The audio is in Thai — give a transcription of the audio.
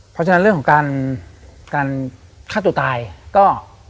เพราะฉะนั้นเรื่องของการการฆ่าตัวตายก็